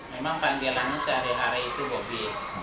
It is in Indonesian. memang panggilannya sehari hari itu hobi